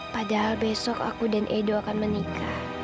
padahal besok aku dan edo akan menikah